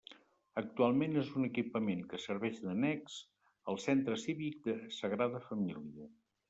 Actualment és un equipament que serveis d'annex al Centre Cívic de Sagrada Família.